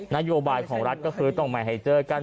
นโยบายของรัฐก็คือต้องไม่ให้เจอกัน